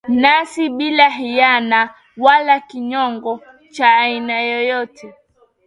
nasi bila hiyana wala kinyongo cha aina yoyote